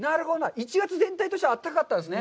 １月全体としては暖かかったんですね。